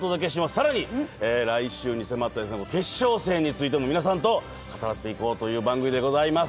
さらに、来週に迫った決勝戦についても、皆さんと語らっていこうという番組でございます。